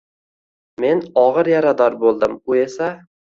Men og`ir yarador bo`ldim, u esa…